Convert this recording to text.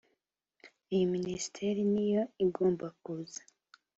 iyi minisiteri ni yo igomba kuza